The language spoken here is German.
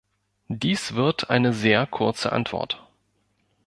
Dies wird eine sehr kurze Antwort.